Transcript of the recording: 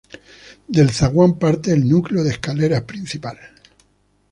Del zaguán parte el núcleo de escaleras principal.